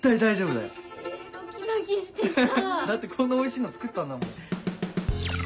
だってこんなおいしいの作ったんだもん。